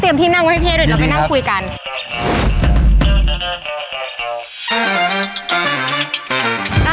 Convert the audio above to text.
ที่นั่งไว้ให้พี่ด้วยเราไปนั่งคุยกัน